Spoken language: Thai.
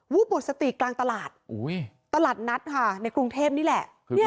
หมดสติกลางตลาดตลาดนัดค่ะในกรุงเทพนี่แหละ